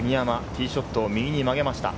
ティーショットを右に曲げました。